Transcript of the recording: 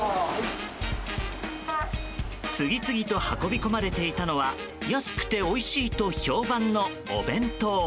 次々と運び込まれていたのは安くておいしいと評判のお弁当。